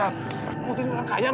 jangan tidur disini sendiri ya